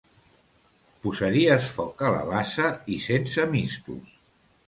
Posaries foc a la bassa i sense mistos.